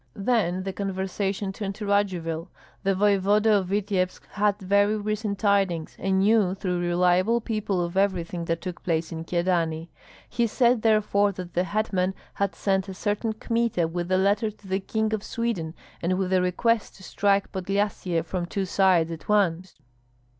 Then the conversation turned to Radzivill. The voevoda of Vityebsk had very recent tidings, and knew through reliable people of everything that took place in Kyedani. He said therefore that the hetman had sent a certain Kmita with a letter to the King of Sweden, and with a request to strike Podlyasye from two sides at once.